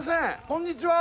こんにちは。